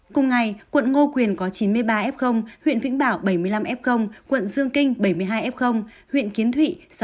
cùng ngày quận ngô quyền có chín mươi ba f huyện vĩnh bảo bảy mươi năm f quận dương kinh bảy mươi hai f huyện kiến thụy sáu mươi tám f